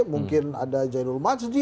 mungkin ada jairoel masjid